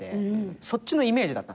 そっちのイメージだったんですよ。